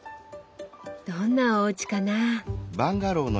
どんなおうちかな？